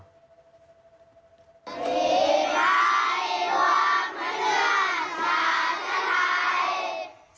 พีพายรวมมันเนื่องสาหกทะไทย